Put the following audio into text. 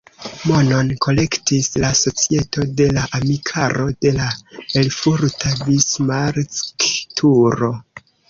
Monon kolektis la Societo de la amikaro de la erfurta Bismarck-turo.